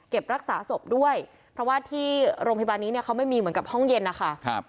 รักษาศพด้วยเพราะว่าที่โรงพยาบาลนี้เนี่ยเขาไม่มีเหมือนกับห้องเย็นนะคะ